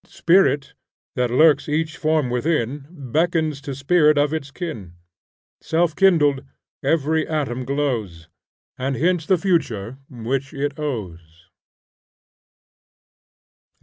Spirit that lurks each form within Beckons to spirit of its kin; Self kindled every atom glows, And hints the future which it owes.